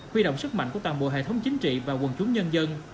huy động sức mạnh của tầm mùa hệ thống chính trị và quần chúng nhân dân